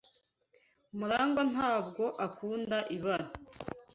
Murangwa ntabwo akunda ibara.